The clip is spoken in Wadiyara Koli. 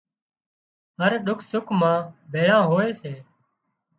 هر ڏک سُک مان ڀيۯان هوئي سي